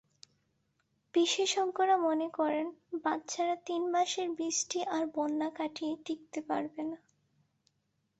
বিশেষজ্ঞরা মনে করেন বাচ্চারা তিন মাসের বৃষ্টি আর বন্যা কাটিয়ে টিকতে পারবে না।